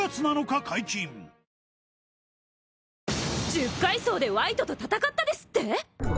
十階層でワイトと戦ったですって！？